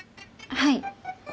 はい。